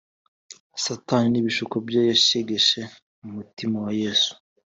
satani n’ibishuko bye yashegeshe umutima wa yesu